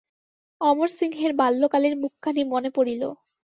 অমরসিংহের বাল্যকালের মুখখানি মনে পড়িল।